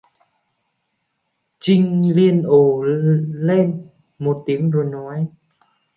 Trinh liên ồ lên một tiếng rồi nói